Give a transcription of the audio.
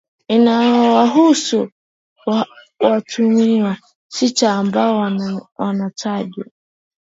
inayowahusu watuhumiwa sita ambao wanatajwa